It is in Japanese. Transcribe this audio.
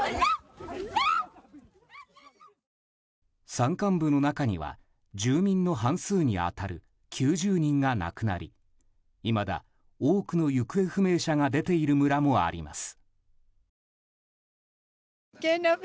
山間部の中には住民の半数に当たる９０人が亡くなりいまだ多くの行方不明者が出ている村もあります。